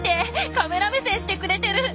カメラ目線してくれてる！